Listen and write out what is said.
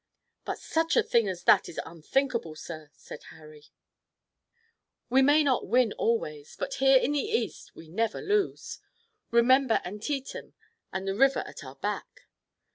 "But such a thing as that is unthinkable, sir," said Harry. "We may not win always, but here in the East we never lose. Remember Antietam and the river at our back."